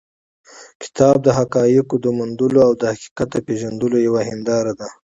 کتاب د حقایقو د موندلو او د حقیقت د پېژندلو یوه هنداره ده.